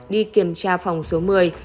đi kiểm tra phòng số một mươi